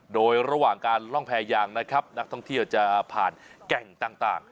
โดยระหว่างการล่องแพรยางนะครับนักท่องเที่ยวจะผ่านแก่งต่าง